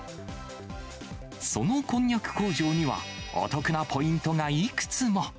そのこんにゃく工場には、お得なポイントがいくつも。